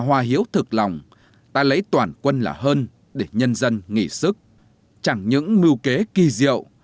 hòa hiếu thực lòng ta lấy toàn quân là hơn để nhân dân nghỉ sức chẳng những mưu kế kỳ diệu